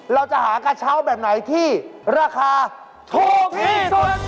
เราจะหากระเช้าแบบไหนที่ราคาถูกที่สุด